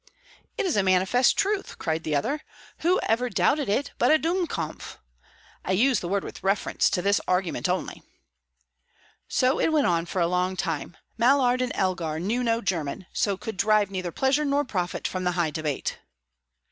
"It is a manifest truth!" cried the other. "Who ever doubted it but a Dummkopf? I use the word with reference to this argument only." So it went on for a long time. Mallard and Elgar knew no German, so could derive neither pleasure nor profit from the high debate.